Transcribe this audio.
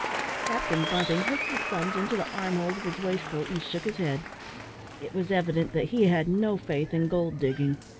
Captain Bunting hooked his thumbs into the armholes of his waistcoat, and shook his head. It was evident that he had no faith in gold digging.